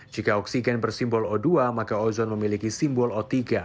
jika oksigen bersimbol o dua maka ozon memiliki simbol o tiga